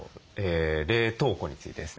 冷凍庫についてですね